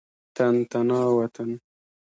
تن تنا وطن.